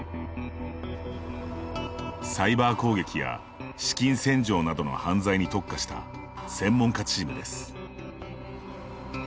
サイバー攻撃や資金洗浄などの犯罪に特化した専門家チームです。